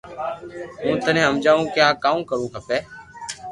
ھون ٽني ھمجاو ڪي ڪاو ڪرو کپي